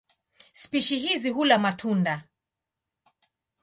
Spishi hizi hula matunda.